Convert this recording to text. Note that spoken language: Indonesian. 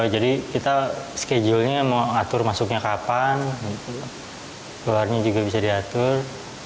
jadi kita schedule nya mau atur masuknya kapan luarnya juga bisa diatur